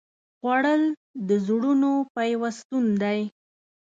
خوړل د زړونو پیوستون دی